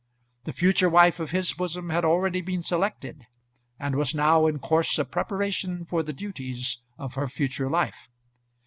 The future wife of his bosom had already been selected, and was now in course of preparation for the duties of her future life.